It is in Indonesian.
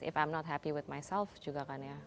if i'm not happy with myself juga kan ya